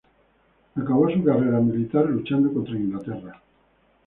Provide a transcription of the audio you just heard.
Acabó su carrera militar luchando contra Inglaterra.